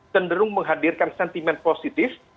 cenderung menghadirkan sentimen positif